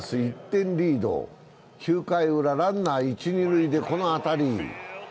１点リード、９回ウラ、ランナー一・二塁でこの当たり。